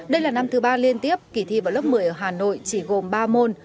đây là năm thứ ba liên tiếp kỳ thi vào lớp một mươi ở hà nội chỉ gồm ba môn